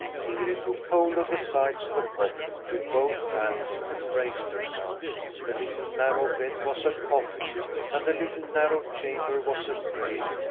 Ingrid took hold of the sides of the cofSn with both hands and raised herself. The little narrow bed was a coffin, and the little narrow chamber was a grave.